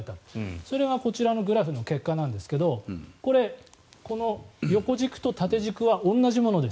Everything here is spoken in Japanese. それがこちらのグラフの結果なんですがこの横軸と縦軸は同じものです。